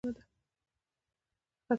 خطاطي ولې مهمه ده؟